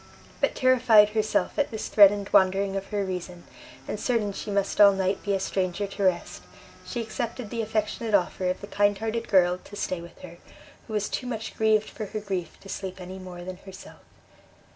But terrified herself at this threatened wandering of her reason, and certain she must all night be a stranger to rest, she accepted the affectionate offer of the kind hearted girl to stay with her, who was too much grieved for her grief to sleep any more than herself.